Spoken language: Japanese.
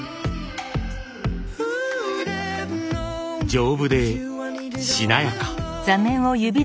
丈夫でしなやか。